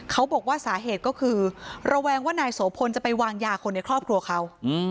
เขาบอกว่าสาเหตุก็คือระแวงว่านายโสพลจะไปวางยาคนในครอบครัวเขา